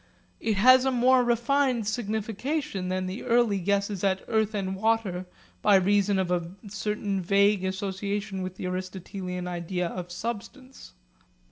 It has a more refined signification than the early guesses at earth and water by reason of a certain vague association with the Aristotelian idea of substance.